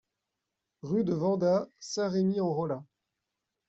Rue de Vendat, Saint-Rémy-en-Rollat